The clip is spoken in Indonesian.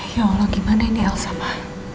ya allah gimana ini elsa pak